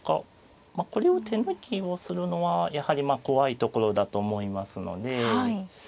これを手抜きをするのはやはりまあ怖いところだと思いますので。